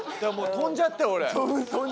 飛んじゃったんだ。